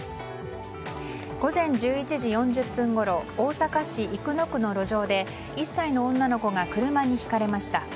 午前１１時４０分ごろ大阪市生野区の路上で１歳の女の子が車にひかれました。